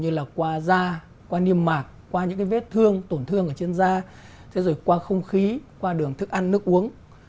ví dụ như là qua da qua niêm mạc qua những vết thương tổn thương ở trên da qua không khí qua đường thức ăn nước uống